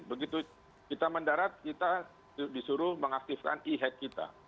begitu kita mendarat kita disuruh mengaktifkan e hack kita